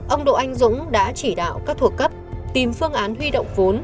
ông đỗ anh dũng đã chỉ đạo các thuộc cấp tìm phương án huy động vốn